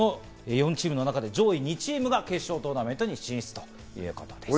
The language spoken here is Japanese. ４チームの中で上位２チームが決勝トーナメントに進出となります。